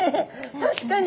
確かに。